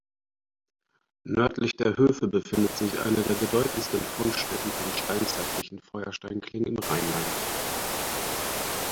Nördlich der Höfe befindet sich eine der bedeutendsten Fundstätten von steinzeitlichen Feuersteinklingen im Rheinland.